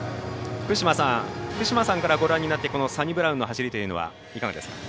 福島さんからご覧になってサニブラウンの走りというのはいかがですか？